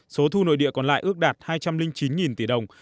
số thu nội địa còn lại ước đạt hai trăm linh chín tỷ đồng